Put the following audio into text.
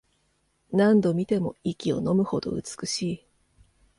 何度見ても息をのむほど美しい